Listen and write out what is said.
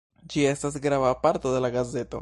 Ĝi estas grava parto de la gazeto.